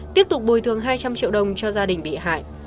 tiếp tục bồi thường hai trăm linh triệu đồng cho gia đình bị hại